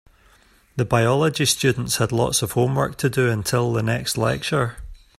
The biology students had lots of homework to do until the next lecture.